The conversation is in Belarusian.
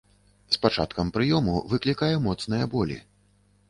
З пачаткам прыёму выклікае моцныя болі.